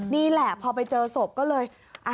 นี่แหละพอไปเจอศพก็เลย